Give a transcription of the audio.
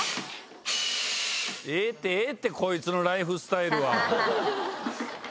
ええってこいつのライフスタイルは。